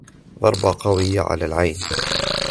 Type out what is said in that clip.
ضربة قوية على العين.